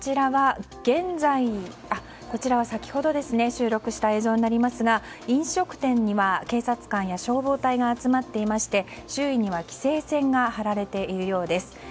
こちらは、先ほど収録した映像になりますが飲食店には警察官や消防隊が集まっていまして周囲には規制線が張られているようです。